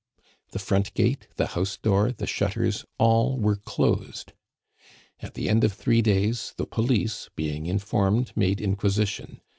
The front gate, the house door, the shutters, all were closed. At the end of three days, the police, being informed, made inquisition.